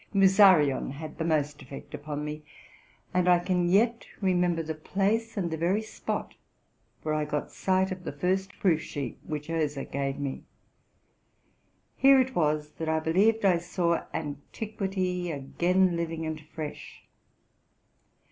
'* Musarion"' had the most effect upon me; and I can yet remember the place and the very spot where I got sight of the first proof sheet, which Oeser gave me. Here it was that I believed I saw antiquity again living and fresh.